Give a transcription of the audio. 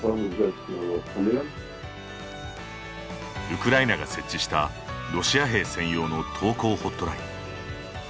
ウクライナが設置したロシア兵専用の投降ホットライン。